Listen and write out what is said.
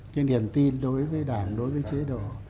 cái niềm tin đối với đảng đối với chế độ